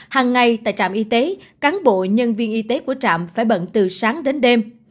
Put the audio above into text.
hàng ngày tại trạm y tế cán bộ nhân viên y tế của trạm phải bận từ sáng đến đêm